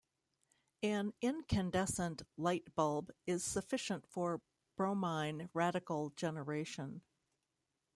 An incandescent light bulb is sufficient for bromine radical generation.